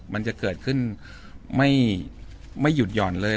มันจะเกิดขึ้นไม่หยุดหย่อนเลย